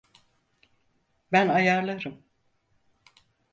Ben ayarlarım.